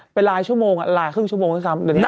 ไปลายชั่วโมงอะลายครึ่งชั่วโมงเลย